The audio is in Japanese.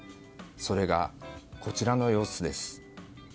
それが、こちらの様子です。